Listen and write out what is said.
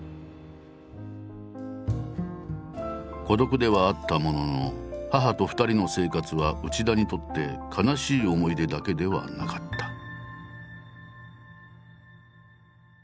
孤独ではあったものの母と２人の生活は内田にとって悲しい思い出だけではなかった。